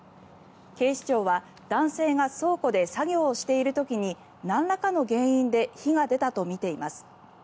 警視庁は男性が倉庫で作業をしている時になんらかの原因で火が出たとみています。